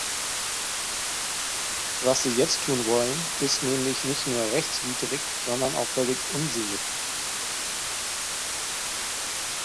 Was Sie jetzt tun wollen, ist nämlich nicht nur rechtswidrig, sondern auch völlig unsinnig.